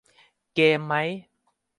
เกมไหม